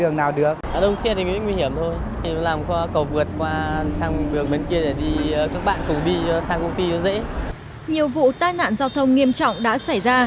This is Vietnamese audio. nhiều vụ tai nạn giao thông nghiêm trọng đã xảy ra